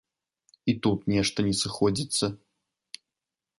І тут нешта не сыходзіцца.